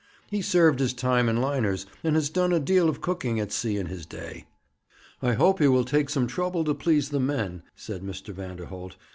'He served his time in liners, and has done a deal of cooking at sea in his day.' 'I hope he will take some trouble to please the men,' said Mr. Vanderholt.